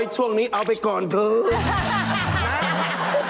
ช่วงนี้เอาไปก่อนเถอะ